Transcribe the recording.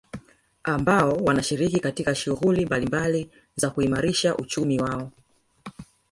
Ambao wanashiriki katika shuhguli mbalimbali za kuimarisha uchumi wao